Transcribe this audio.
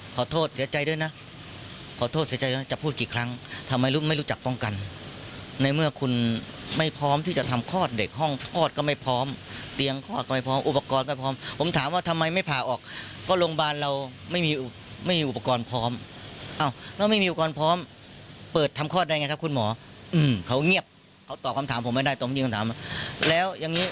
ขอโทษเสียใจนะจะพูดกี่ครั้งทำไมรู้ไม่รู้จักต้องกันในเมื่อคุณไม่พร้อมที่จะทำคลอดเด็กห้องคลอดก็ไม่พร้อมเตียงคลอดก็ไม่พร้อมอุปกรณ์ก็พร้อมผมถามว่าทำไมไม่ผ่าออกก็โรงพยาบาลเราไม่มีไม่มีอุปกรณ์พร้อมอ้าวแล้วไม่มีอุปกรณ์พร้อมเปิดทำคลอดได้ไงครับคุณหมออือเขาเ